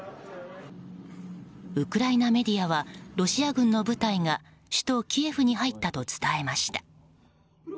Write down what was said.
ウクライナメディアはロシア軍の部隊が首都キエフに入ったと伝えました。